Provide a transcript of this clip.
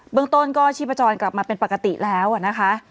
เรื่องต้นก็ชีพจรกลับมาเป็นปกติแล้วนะคะ